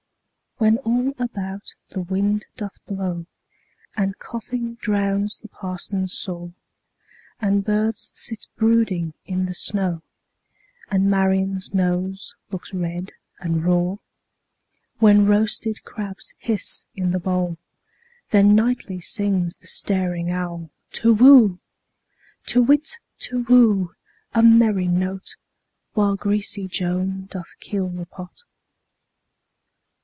When all about the wind doth blow, And coughing drowns the parson's saw, And birds sit brooding in the snow, And Marian's nose looks red and raw; When roasted crabs hiss in the bowl—Then nightly sings the staring owlTu whoo! To whit, Tu whoo! A merry note! While greasy Joan doth keel the pot.